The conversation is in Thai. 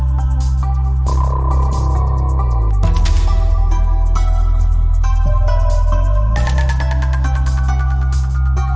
โปรดติดตามต่อไป